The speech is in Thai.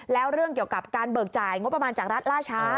แล้วเรื่องเกี่ยวกับการเบิกจ่ายงบประมาณจากรัฐล่าช้า